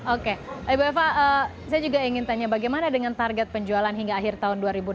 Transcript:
oke ibu eva saya juga ingin tanya bagaimana dengan target penjualan hingga akhir tahun dua ribu enam belas